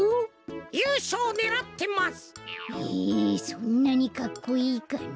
そんなにかっこいいかな？